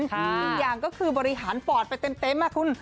อีกอย่างก็คือบริหารปอดไปเต็มคุณ